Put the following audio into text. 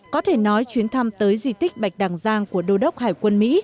có thể nói chuyến thăm tới di tích bạch đằng giang của đô đốc hải quân mỹ